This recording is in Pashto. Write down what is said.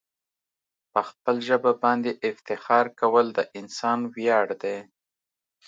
په خپل ژبه باندي افتخار کول د انسان ویاړ دی.